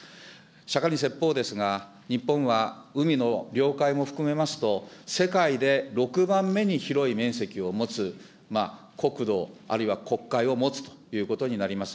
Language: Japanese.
釈迦に説法ですが、日本は海の領海も含めますと、世界で６番目に広い面積を持つ国土、あるいはこっかいを持つということになります。